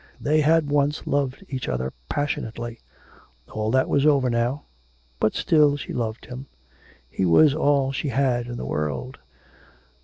They had once loved each other passionately. All that was over now... But still she loved him. ... He was all she had in the world.